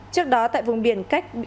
trước đó tại vùng biển cách cửa